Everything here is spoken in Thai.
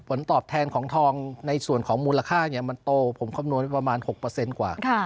ผลตอบแทนของทองในส่วนของมูลค่ามันโตผมคำนวณประมาณ๖กว่า